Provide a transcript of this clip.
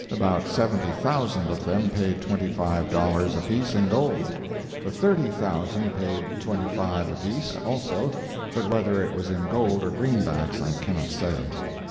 About 70,000 of them paid twenty five dollars apiece in gold; the thirty thousand paid twenty five apiece, also, but whether it was in gold or greenbacks, I cannot say.